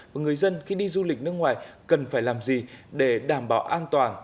và người dân khi đi du lịch nước ngoài cần phải làm gì để đảm bảo an toàn